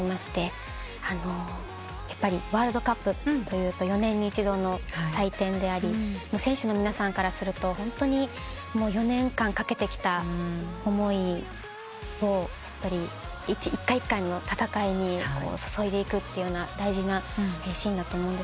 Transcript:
ワールドカップというと４年に一度の祭典であり選手の皆さんからするとホントに４年間懸けてきた思いを一回一回の戦いに注いでいくという大事なシーンだと思うんですけど。